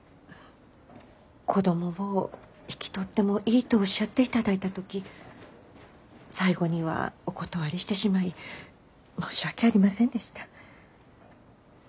「子供を引き取ってもいい」とおっしゃっていただいた時最後にはお断りしてしまい申し訳ありませんでした。